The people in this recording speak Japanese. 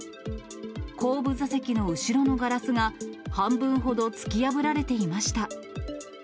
後部座席の後ろのガラスが半分ほど突き破られていました。